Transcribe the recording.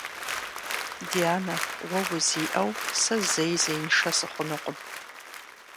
Дянэ, уэ узиӀэу сэ зэи зеиншэ сыхъунукъым.